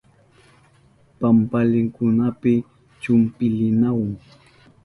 Pampalinkunapi chumpilinahun.